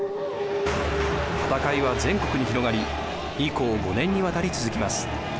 戦いは全国に広がり以降５年にわたり続きます。